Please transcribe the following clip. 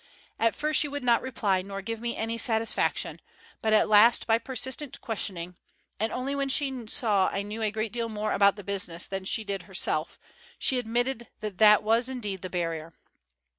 At first she would not reply nor give me any satisfaction, but at last by persistent questioning, and only when she saw I knew a great deal more about the business than she did herself, she admitted that that was indeed the barrier.